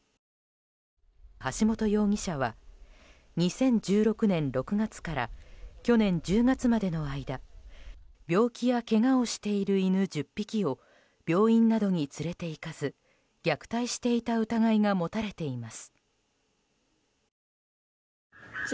橋本容疑者は２０１６年６月から去年１０月までの間病気やけがをしている犬１０匹を病院などに連れていかず虐待していた疑いが持たれています。